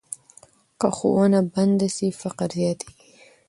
که ښوونه بنده سي، فقر زیاتېږي.